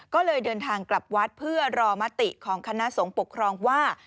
ก็เลยเดินทางกลับวัดเพื่อรอมติของคณะสงฆ์ปกครองว่า